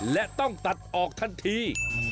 และต้องตัดออกทันที